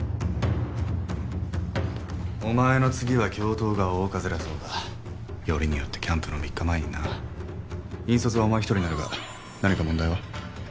お前の次は教頭が大風邪だそうだよりによってキャンプの３日前にな引率はお前１人になるが何か問題は？